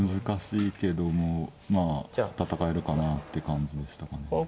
難しいけどもまあ戦えるかなって感じでしたかね。